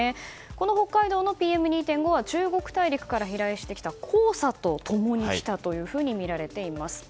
この北海道のＰＭ２．５は中国大陸から飛来してきた黄砂と共に来たとみられています。